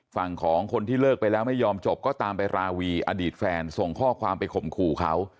ฝั่งของคนที่เลิกไปแล้วไม่ยอมจบก็ตามไปราวีอดีตแฟนส่งข้อความไปข่มขู่เขา